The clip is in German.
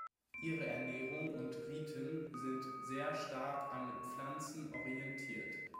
Ihre Ernährung und Riten sind sehr stark an Pflanzen orientiert.